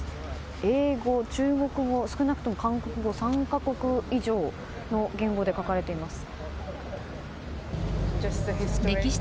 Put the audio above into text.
英語、中国語、少なくとも韓国語３か国以上の言語で書かれています。